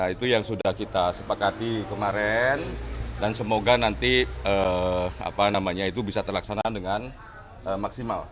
itu yang sudah kita sepakati kemarin dan semoga nanti itu bisa terlaksana dengan maksimal